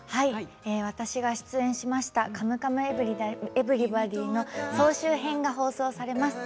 私が出演しました「カムカムエヴリバディ」の総集編が放送されます。